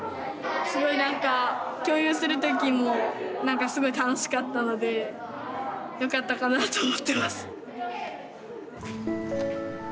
すごいなんか共有する時もすごい楽しかったのでよかったかなと思ってます。